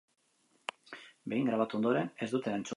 Behin grabatu ondoren ez dute entzun.